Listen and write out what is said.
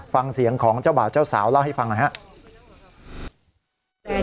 ฟังเสียงของเจ้าบ่าวเจ้าสาวเล่าให้ฟังหน่อยครับ